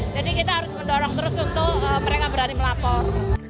jadi kita harus mendorong terus untuk mereka berani melapor